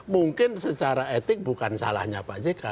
mungkin secara etik bukan salahnya pak jk